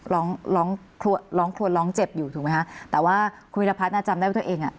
ร้องร้องครัวร้องครัวร้องเจ็บอยู่ถูกไหมคะแต่ว่าคุณวิรพัฒน์อ่ะจำได้ว่าตัวเองอ่ะ